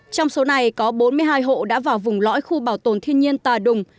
trong số này có bốn mươi hai hộ đã vào vùng lõi khu bảo tồn thiên nhiên tà đùng